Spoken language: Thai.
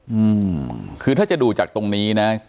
อืมคือถ้าจะดูจากตรงนี้นะ